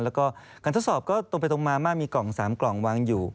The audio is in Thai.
แล้วก็การทดสอบก็ตรงไปตรงมามากมีกล่อง๓กล่องวางอยู่